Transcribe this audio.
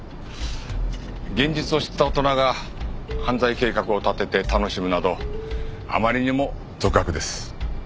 現実を知った大人が犯罪計画を立てて楽しむなどあまりにも俗悪です。